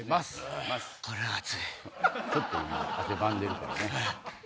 ちょっと今汗ばんでるからね。